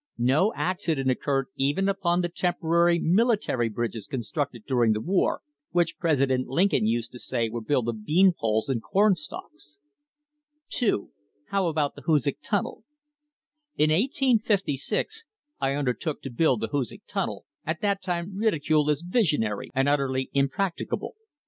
No accident occurred even upon the iporary military bridges constructed during the war, which President Lincoln used say were built of bean poles and corn stalks. THE HISTORY OF THE STANDARD OIL COMPANY 2. How about the Hoosac Tunnel ? In 1856 I undertook to build the Hoosac Tunnel, at that time ridiculed as visionary and utterly impracticable.